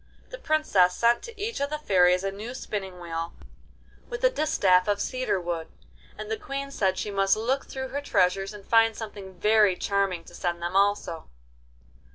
The Princess sent to each of the fairies a new spinning wheel with a distaff of cedar wood, and the Queen said she must look through her treasures and find something very charming to send them also.